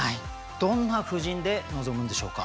どんな布陣で臨むんでしょうか？